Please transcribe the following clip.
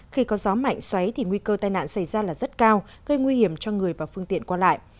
khi có gió mạnh xoáy thì nguy cơ tai nạn xảy ra là rất cao gây nguy hiểm cho người và phương tiện qua lại